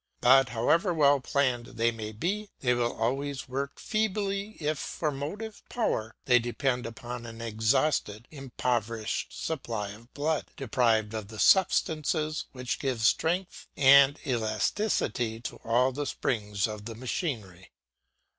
But however well planned they may be, they will always work feebly if for motive power they depend upon an exhausted, impoverished supply of blood, deprived of the substance which gives strength and elasticity to all the springs of the machinery.